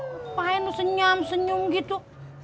ngapain senyam senyum gitu